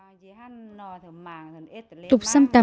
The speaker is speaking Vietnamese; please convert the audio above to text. bởi vì không mặc sửa cho xăm cầm